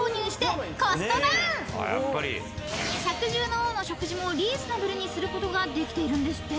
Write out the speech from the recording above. ［百獣の王の食事もリーズナブルにすることができているんですって］